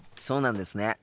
そうなんですね。